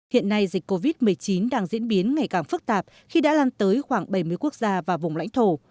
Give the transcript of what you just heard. hiện nay dịch covid một mươi chín đang diễn biến ngày càng phức tạp khi đã lan tới khoảng bảy mươi quốc gia và vùng lãnh thổ